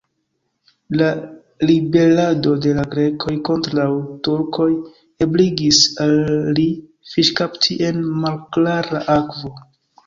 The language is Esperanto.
La ribelado de la Grekoj kontraŭ Turkujo ebligis al li fiŝkapti en malklara akvo.